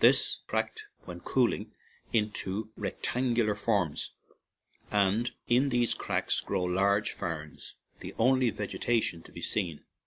This cracked, when cooling, into rectangular forms, and in these cracks grow large ferns, the only vegetation to be seen.